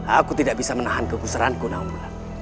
aku tidak bisa menahan kekusaranku nawabullah